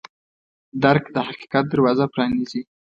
درک د حقیقت دروازه پرانیزي.